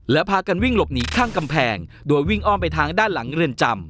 แล้วพากันวิ่งหลบหนีข้างกำแพงโดยวิ่งอ้อมไปทางด้านหลังเรือนจำ